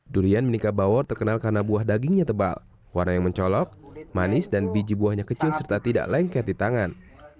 durian menikah bawor terkenal karena buah dagingnya tebal warna yang mencolok manis dan biji buahnya kecil serta tidak lengket di tangan